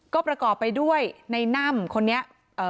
ก็ประก่อบไปด้วยในนั่มคนนี้เอ่อ